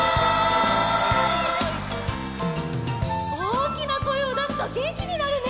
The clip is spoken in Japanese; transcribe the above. おおきなこえをだすとげんきになるね！